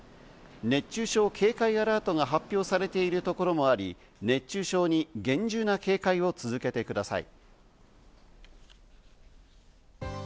熱中症警戒アラートが発表されているところもあり、熱中症に厳重な警戒を続けてください。